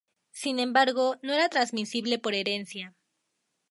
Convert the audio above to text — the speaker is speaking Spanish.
Sin embargo no era transmisible por herencia.